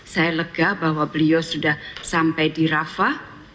saya lega bahwa beliau sudah sampai di rafah